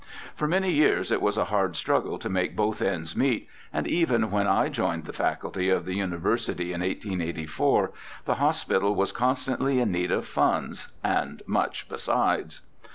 For many years it was a hard struggle to make both ends meet, and even when I joined the faculty of the University in 1884 the hospital was constantly in need of funds (and much besides).